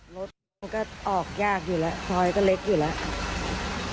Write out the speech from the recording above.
รถมันก็ออกยากอยู่แล้วซอยก็เล็กอยู่แล้ว